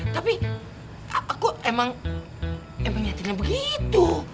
tapi aku emang nyatinya begitu